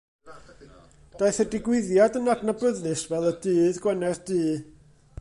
Daeth y digwyddiad yn adnabyddus fel Y Dydd Gwener Du.